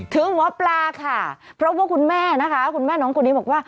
ถึงหมอปลาค่ะเพราะว่าคุณแม่นะคะคุณแม่น้องคนนี้บอกว่า